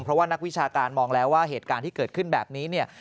เพราะว่านักวิชาการมองแล้วว่าเหตุการณ์ที่เกิดขึ้นแบบนี้เนี่ย